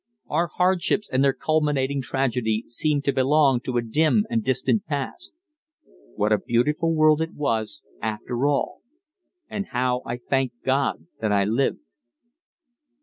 Our hardships and their culminating tragedy seemed to belong to a dim and distant past. What a beautiful world it was after all! and how I thanked God that I lived!